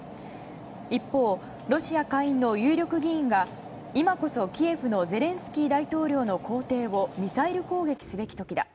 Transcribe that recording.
一方、ロシア下院の有力議員が今こそキエフのゼレンスキー大統領の公邸をミサイル攻撃すべき時だ。